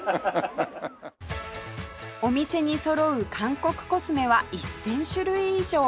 お店にそろう韓国コスメは１０００種類以上